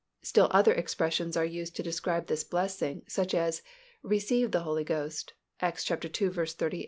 Still other expressions are used to describe this blessing, such as "receive the Holy Ghost" (Acts ii.